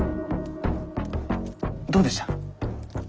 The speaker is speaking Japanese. どうでした？